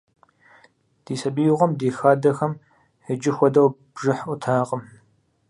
Ди сабиигъуэм ди хадэхэм иджы хуэдэу бжыхь Ӏутакъым.